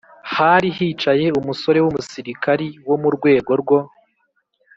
hari hicaye umusore w'umusirikari wo mu rwego rwo